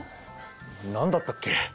何だったっけ？